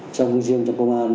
trong riêng trong công an